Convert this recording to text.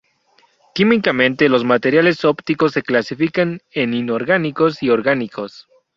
Químicamente, los materiales Ópticos se clasifican en inorgánicos y orgánicos.